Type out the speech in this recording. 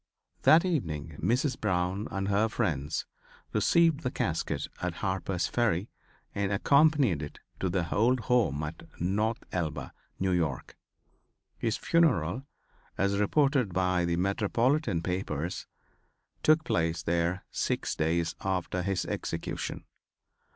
That evening Mrs. Brown and her friends received the casket at Harper's Ferry and accompanied it to the old home at North Elba, N. Y. His funeral, as reported by the metropolitan papers, took place there six days after his execution.